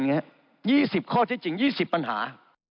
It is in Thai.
๒๐ข้อที่จริง๒๐ปัญหา